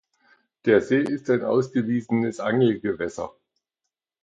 Der See ist ein ausgewiesenes Angelgewässer.